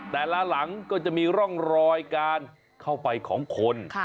หลังก็จะมีร่องรอยการเข้าไปของคน